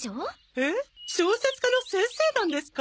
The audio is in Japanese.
えっ小説家の先生なんですか？